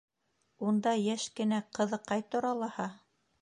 Унда йәш кенә ҡыҙыҡай тора лаһа?